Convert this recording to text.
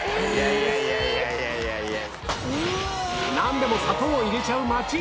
いやいやいやいや。